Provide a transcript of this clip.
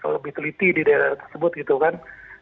lebih teliti di daerah tersebut gitu kan